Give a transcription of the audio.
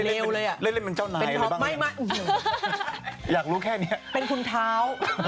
เดี๋ยวพรุ่งนี้เจอกันนะคะ